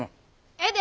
ええで。